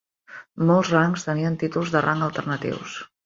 Molts rangs tenien títols de rang alternatius.